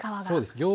そうです。